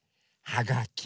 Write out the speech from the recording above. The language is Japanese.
はがき。